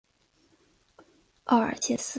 奥尔谢斯。